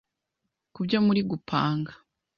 ku byo muri gupanga.